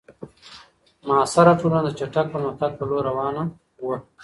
معاصره ټولنه د چټک پرمختګ په لور روانه وه.